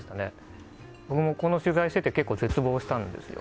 僕も、この取材してて結構、絶望したんですよ。